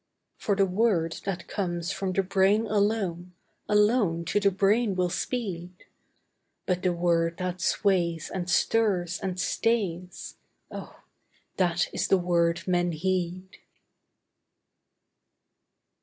For the word that comes from the brain alone, Alone to the brain will speed; But the word that sways, and stirs, and stays, Oh! that is the word men heed.